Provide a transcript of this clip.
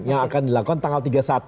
yang akan dilakukan tanggal tiga puluh satu